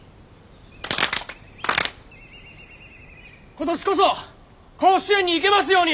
今年こそ甲子園に行けますように！